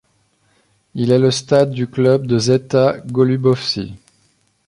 Il est le stade du club de Zeta Golubovci.